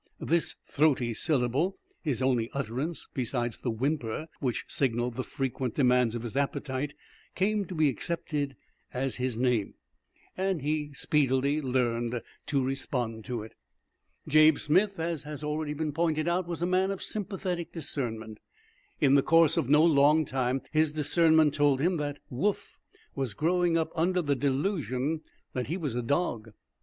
This throaty syllable, his only utterance besides the whimper which signalled the frequent demands of his appetite, came to be accepted as his name; and he speedily learned to respond to it. Jabe Smith, as has been already pointed out, was a man of sympathetic discernment. In the course of no long time his discernment told him that Woof was growing up under the delusion that he was a dog.